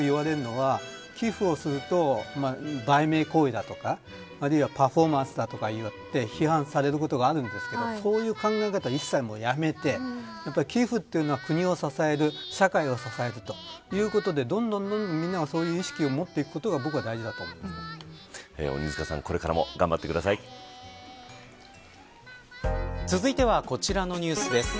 そのときに、よく言われるのは寄付をすると、売名行為だとかあるいはパフォーマンスだとか言って批判されることがあるんですけどそういう考え方は、一切やめて寄付というのは、国を支える社会を支えるということでどんどん、みんながそういう意識を持っていくことが鬼塚さん続いてはこちらのニュースです。